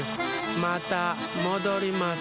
またもどります。